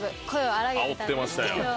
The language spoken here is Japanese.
あおってましたよ。